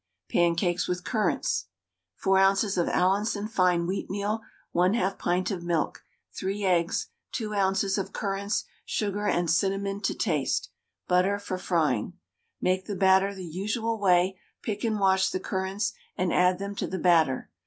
PANCAKES WITH CURRANTS. 4 oz. of Allinson fine wheatmeal, 1/2 pint of milk, 3 eggs, 2 oz. of currants, sugar and cinnamon to taste, butter for frying. Make the batter the usual way, pick and wash the currants and add them to the batter.